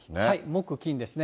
木、金ですね。